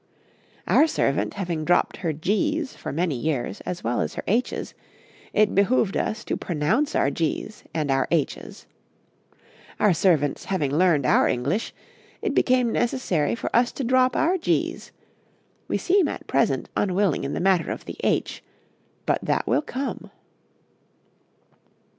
Our servant having dropped her g's for many years as well as her h's, it behoved us to pronounce our g's and our h's. Our servants having learned our English, it became necessary for us to drop our g's; we seem at present unwilling in the matter of the h, but that will come.